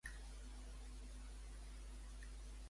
Quina relació van tenir amb els pelasgs?